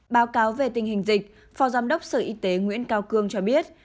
báo cáo về tình hình dịch phó giám đốc sở y tế nguyễn cao cương cho biết